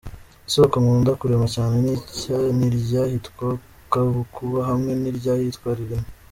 Isoko nkunda kurema cyane ni iry’ahitwa Kabukuba hamwe n’iryahitwa Rilima.